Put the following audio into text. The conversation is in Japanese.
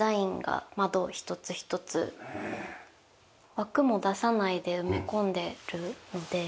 枠も出さないで埋め込んでるので。